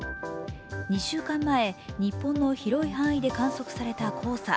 ２週間前、日本の広い範囲で観測された黄砂。